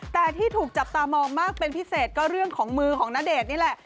แต่ที่ถูกจับตามองมากเป็นพิเศษก็เรื่องของมือของณเดชน์นี่แหละ